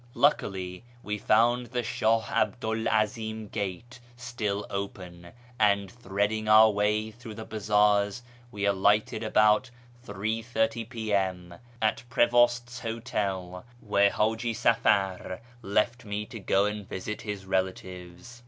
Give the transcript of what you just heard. Luckily we found the Shah 'Abdu 'l 'Azim gate still open, and, threading our way through the bazaars, we alighted about 8.30 P.M. at Prevost's hotel, where Haji Safar left me to go md visit his relatives.